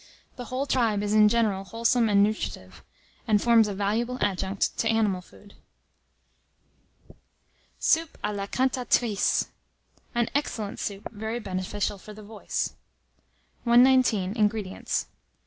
The whole tribe is in general wholesome and nutritive, and forms a valuable adjunct to animal food. SOUP A LA CANTATRICE. (An Excellent Soup, very Beneficial for the Voice.) 119. INGREDIENTS.